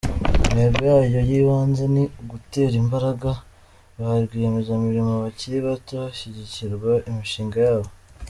Intego yayo y’ibanze ni ugutera imbaraga ba rwiyemezamirimo bakiri bato hashyigikirwa imishinga yabo.